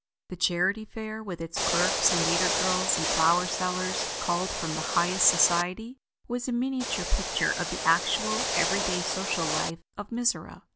The Charity Fair, with its clerks and waiter girls and flower sellers called from the highest society, was a miniature picture of the actual every day social life of Mizora.